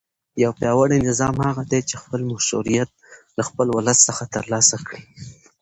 یو پیاوړی نظام هغه دی چې خپل مشروعیت له خپل ولس څخه ترلاسه کړي.